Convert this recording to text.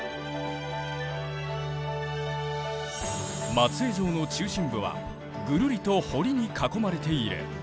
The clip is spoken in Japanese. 松江城の中心部はぐるりと堀に囲まれている。